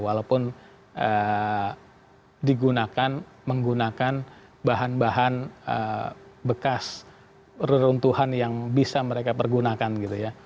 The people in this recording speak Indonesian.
walaupun digunakan menggunakan bahan bahan bekas reruntuhan yang bisa mereka pergunakan gitu ya